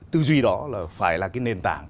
tư duy đó là phải là cái nền tảng